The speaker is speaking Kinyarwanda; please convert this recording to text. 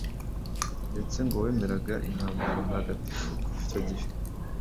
ndetse ngo wemeraga intambara ntagatifu kuva icyo gihe.